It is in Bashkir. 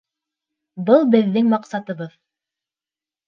Был беҙҙең маҡсатыбыҙ.